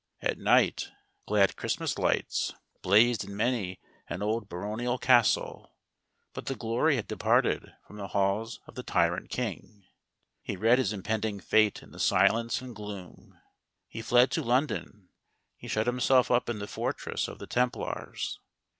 At night glad Christmas lights 84 AT RUNNYMEDE. blazed in many an old baronial castle, but the glory had departed from the halls of the tyrant king. He read his impending fate in the silence and gloom. He fled to London. He shut himself up in the fortress of the Templars.